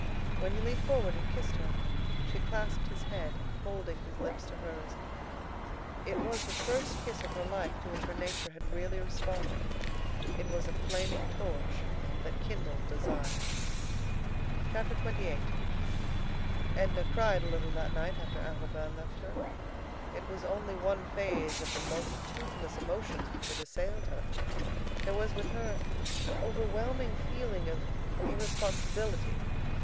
When he leaned forward and kissed her, she clasped his head, holding his lips to hers. It was the first kiss of her life to which her nature had really responded. It was a flaming torch that kindled desire. XXVIII Edna cried a little that night after Arobin left her. It was only one phase of the multitudinous emotions which had assailed her. There was with her an overwhelming feeling of irresponsibility.